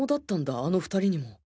あの２人にも